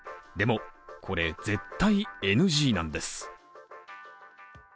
でもこれ、絶対ＮＧなんてす。